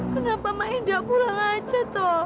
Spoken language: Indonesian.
kenapa ma'e tidak pulang saja